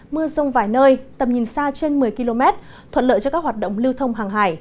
mưa rông vài nơi tầm nhìn xa trên một mươi km thuận lợi cho các hoạt động lưu thông hàng hải